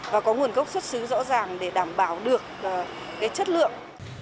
và có nguồn gốc xuất xứ rõ ràng để đảm bảo được chất lượng